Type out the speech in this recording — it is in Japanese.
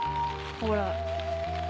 ほら。